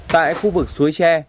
tại khu vực suối tre